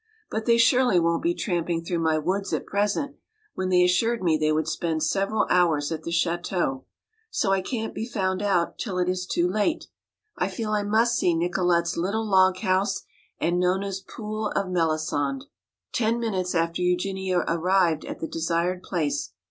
But they surely won't be tramping through my woods at present, when they assured me they would spend several hours at the chateau. So I can't be found out till it is too late. I feel I must see Nicolete's little log house and Nona's 'Pool of Melisande.'" Ten minutes after Eugenia arrived at the desired place.